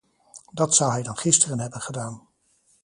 Dat zou hij dan gisteren hebben gedaan.